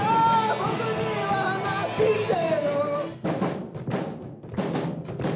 「僕には話してよ」